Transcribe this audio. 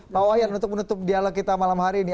pak wayan untuk menutup dialog kita malam hari ini